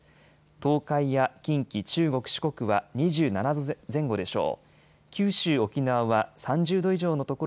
東海や近畿、中国、四国は２７度前後でしょう。